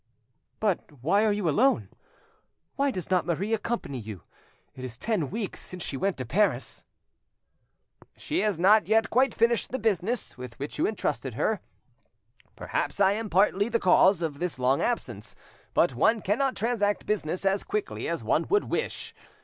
"But why are you alone? Why does not Marie accompany you? It is ten weeks since she went to Paris." "She has not yet quite finished the business with which you entrusted her. Perhaps I am partly the cause of this long absence, but one cannot transact business as quickly as one would wish.